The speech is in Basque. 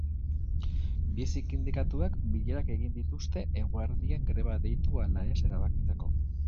Bi sindikatuek bilerak egin dituzte egurdian greba deitu ala ez erabakitzeko.